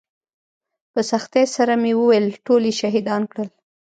په سختۍ سره مې وويل ټول يې شهيدان کړل.